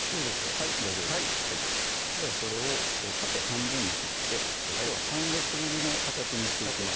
はい大丈夫ですではそれを縦半分に切ってきょうは半月切りの形にしていきます